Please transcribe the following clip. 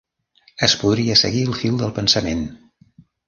Es podria seguir el fil del pensament.